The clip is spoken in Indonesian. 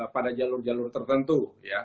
pada jalur jalur tertentu